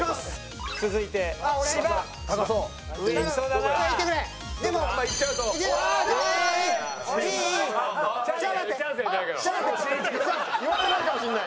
良くないかもしれない。